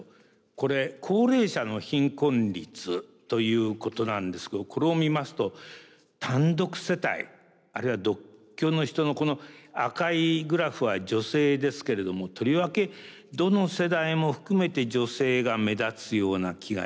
これ高齢者の貧困率ということなんですけどこれを見ますと単独世帯あるいは独居の人のこの赤いグラフは女性ですけれどもとりわけどの世代も含めて女性が目立つような気がいたします。